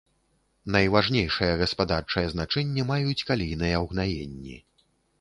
Найважнейшае гаспадарчае значэнне маюць калійныя ўгнаенні.